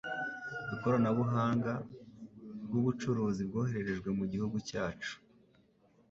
ikoronabuhanga bw ubucuruzi bwohererejwe mu gihugu cyacu